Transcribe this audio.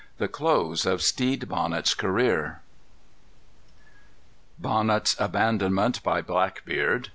The Close of Stede Bonnet's Career. Bonnet's Abandonment by Blackbeard.